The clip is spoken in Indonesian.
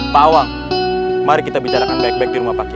bawah mari kita bicarakan baik baik di rumah pakai